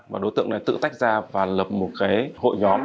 và đối tượng này tự tách ra và lập một cái hội nhóm